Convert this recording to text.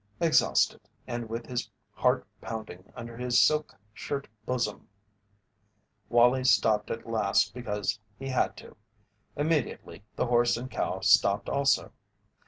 Exhausted, and with his heart pounding under his silk shirt bosom, Wallie stopped at last because he had to. Immediately the horse and cow stopped also.